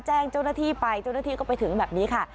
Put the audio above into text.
แจ้งเจ้าหน้าที่ไปเจ้าหน้าที่ก็ไปถึงแบบนี้ค่ะ